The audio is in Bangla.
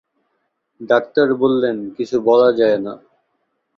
ডাক্তার বললেন, কিছু বলা যায় না।